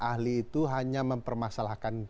ahli itu hanya mempermasalahkan